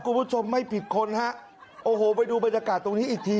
คุณผู้ชมไม่ผิดคนฮะโอ้โหไปดูบรรยากาศตรงนี้อีกที